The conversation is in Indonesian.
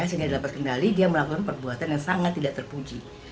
sehingga dilepas kendali dia melakukan perbuatan yang sangat tidak terpuji